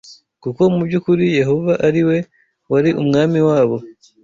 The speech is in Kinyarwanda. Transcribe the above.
kuko mu by’ukuri Yehova ari we wari umwami wabo